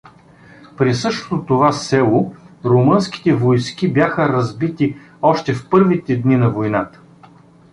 При същото това село румънските войски бяха разбити още в първите дни на войната.